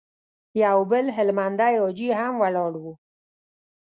يو بل هلمندی حاجي هم ولاړ و.